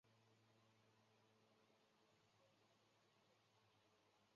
恐怖地形图主要的镇压机构盖世太保和党卫军总部的建筑遗址上。